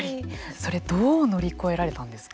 それどう乗り越えられたんですか。